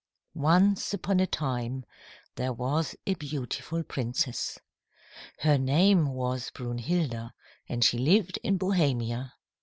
"Once upon a time there was a beautiful princess. Her name was Brunhilda, and she lived in Bohemia.